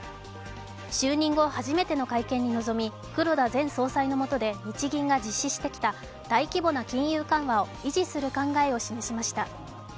就任後初めての会見に臨み、黒田前総裁の下で日銀が実施してきた大規模な金融緩和を維持する考えを示しました。